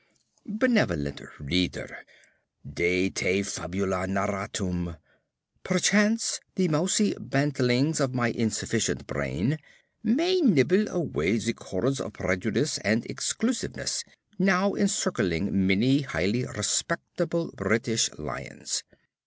Benevolent reader, de te fabula narratur. Perchance the mousey bantlings of my insignificant brain may nibble away the cords of prejudice and exclusiveness now encircling many highly respectable British lions.